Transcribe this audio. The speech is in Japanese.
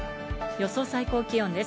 予想最高気温です。